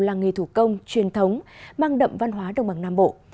làng nghề thủ công truyền thống mang đậm văn hóa đồng bằng nam bộ